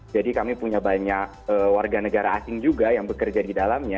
jadi kami punya banyak warga negara asing juga yang bekerja di dalamnya